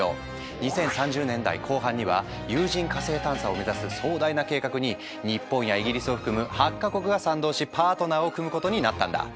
２０３０年代後半には有人火星探査を目指す壮大な計画に日本やイギリスを含む８か国が賛同しパートナーを組むことになったんだ。